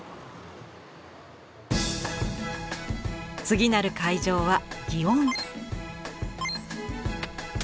次なる会場は園。